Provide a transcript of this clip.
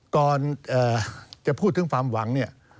ก่อนจะพูดถึงความหวัง